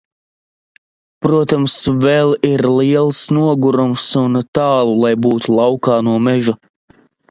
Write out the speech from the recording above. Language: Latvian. Protams, vēl ir liels nogurums un tālu, lai būtu "laukā no meža".